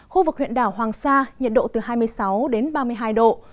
khu vực huyện đảo hoàng sa nhiệt độ từ hai mươi sáu đến ba mươi hai độ